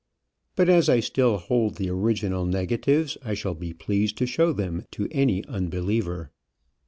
But, as I still hold the original negatives, I shall be pleased to show tliem to any unbeliever.